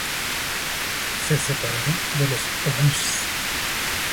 Se separaron de los oghuz.